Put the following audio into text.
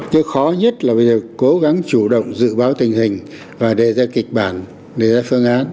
cái khó nhất là về việc cố gắng chủ động dự báo tình hình và đề ra kịch bản đề ra phương án